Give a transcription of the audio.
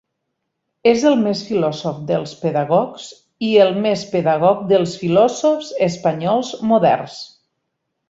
És el més filòsof dels pedagogs i el més pedagog dels filòsofs espanyols moderns.